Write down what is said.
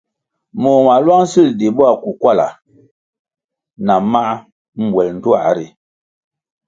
Moh mā lwang sil di bo akukwala na mā mbwel ndtuā ri.